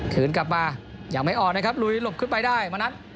คืนกลับมายังไม่ออกนะครับลุยหลบขึ้นไปได้มณัฐ